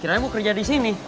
kiranya mau kerja disini